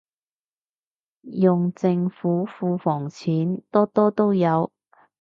用政府庫房錢，多多都有